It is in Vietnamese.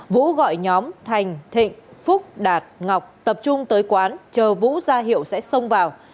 vũ gọi nhóm thành thịnh phúc đạt ngọc tập trung tới quán chờ vũ ra hiệu sẽ xông vào